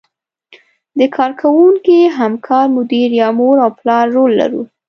د کار کوونکي، همکار، مدیر یا مور او پلار رول لرو.